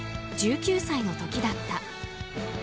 １９歳の時だった。